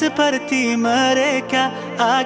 untung ada azan